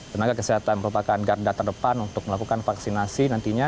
tenaga kesehatan merupakan garda terdepan untuk melakukan vaksinasi nantinya